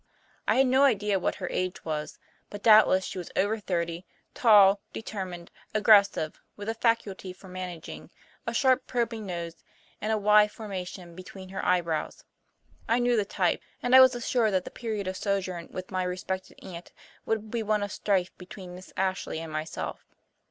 I had no idea what her age was, but doubtless she was over thirty, tall, determined, aggressive, with a "faculty" for managing, a sharp, probing nose, and a y formation between her eyebrows. I knew the type, and I was assured that the period of sojourn with my respected aunt would be one of strife between Miss Ashley and myself.